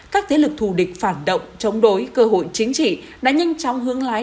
các thế lực thù địch phản động chống đối cơ hội chính trị đã nhanh chóng hướng lái